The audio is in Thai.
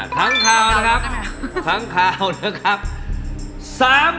ค้างข่าวนะครับ